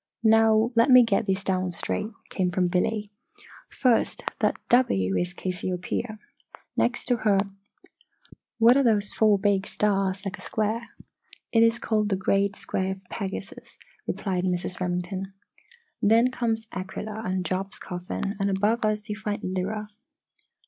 "Now let me get these down straight," came from Billy. "First, that 'W' is Cassiopaeia. Next to her what are those four big stars like a square?" "It is called the Great Square of Pegasus," replied Mrs. Remington. "Then comes Aquilla and Job's Coffin, and above us you find Lyra."